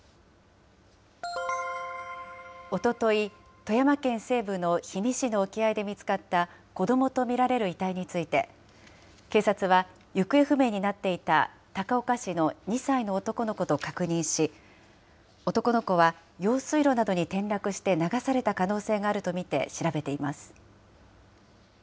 おととい、富山県西部の氷見市の沖合で見つかった子どもと見られる遺体について、警察は行方不明になっていた高岡市の２歳の男の子と確認し、男の子は用水路などに転落して流された可能性があると見て調べています。